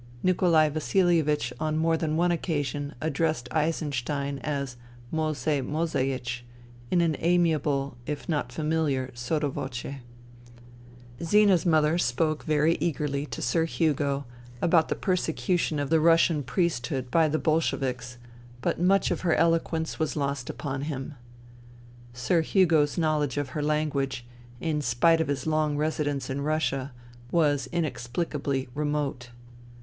Nikolai Vasilievich on more than one occasion addressed Eisenstein as " Moesei Moeseiech " in an amiable if not familiar sotio voce, Zina's mother spoke very eagerly to Sir Hugo about the persecution of the Russian priesthood by the Bolsheviks, but much of her eloquence was lost upon him. Sir Hugo's knowledge of her language, in spite of his long residence in Russia, was inexplicably remote.